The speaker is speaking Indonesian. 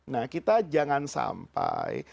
nah kita jangan sampai